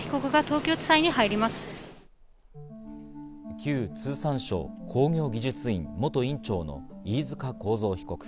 旧通産省工業技術院・元院長の飯塚幸三被告。